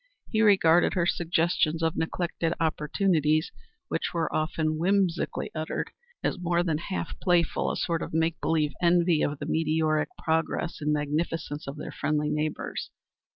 He regarded her suggestions of neglected opportunities, which were often whimsically uttered, as more than half playful a sort of make believe envy of the meteoric progress in magnificence of their friendly neighbors.